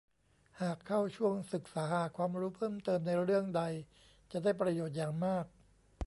หากเข้าช่วงศึกษาหาความรู้เพิ่มเติมเรื่องใดจะได้ประโยชน์อย่างมาก